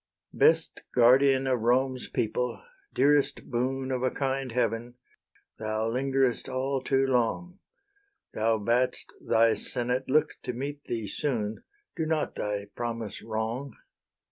Best guardian of Rome's people, dearest boon Of a kind Heaven, thou lingerest all too long: Thou bad'st thy senate look to meet thee soon: Do not thy promise wrong.